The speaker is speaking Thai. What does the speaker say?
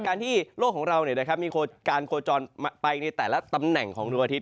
การที่โลกของเรามีการโคจรไปในแต่ละตำแหน่งของดวงอาทิตย